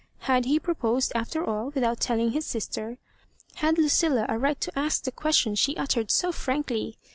Had he proposed, after all, without telling his sister ? Had Xiucilla a right to ask the question she ut tered so frankly